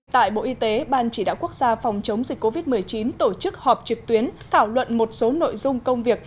tại bộ y tế ban chỉ đạo quốc gia phòng chống dịch covid một mươi chín tổ chức họp trực tuyến thảo luận một số nội dung công việc